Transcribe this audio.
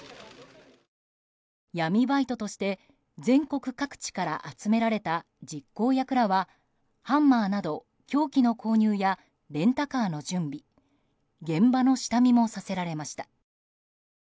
闇バイトとして、全国各地から集められた実行役らはハンマーなど凶器の購入やレンタカーの準備現場の下見もさせられました。